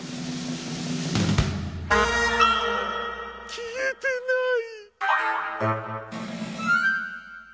きえてない！